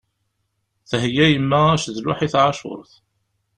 Theyya yemma acedluḥ i tɛacuṛt.